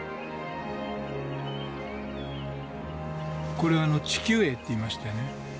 これ地球影っていいましてね